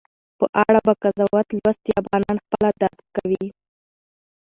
په اړه به قضاوت لوستي افغانان خپله درک وي